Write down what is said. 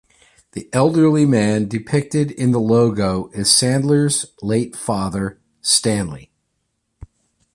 The elderly man depicted in the logo is Sandler's late father, Stanley.